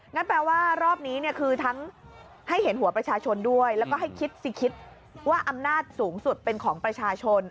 นั่นแปลว่ารอบนี้เนี่ยคือทั้งให้เห็นหัวประชาชนด้วยแล้วก็ให้คิดสิคิดว่าอำนาจสูงสุดเป็นของประชาชน